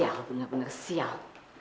sial benar benar sial